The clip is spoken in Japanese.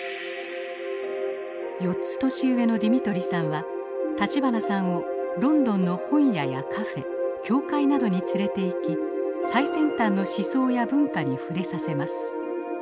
４つ年上のディミトリさんは立花さんをロンドンの本屋やカフェ教会などに連れていき最先端の思想や文化に触れさせます。